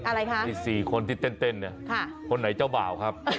อะไรคะนี่๔คนที่เต้นเนี่ยคนไหนเจ้าบ่าวครับ